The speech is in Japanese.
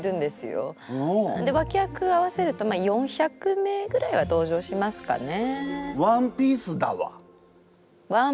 脇役合わせると４００名ぐらいは登場しますかね。